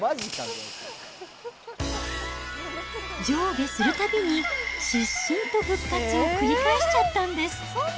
上下するたびに、失神と復活を繰り返しちゃったんです。